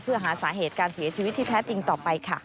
เพื่อหาสาเหตุการเสียชีวิตที่แท้จริงต่อไปค่ะ